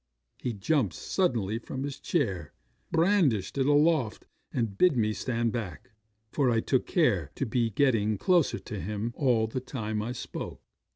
'He jumped suddenly from his chair, brandished it aloft, and bid me stand back for I took care to be getting closer to him all the time I spoke.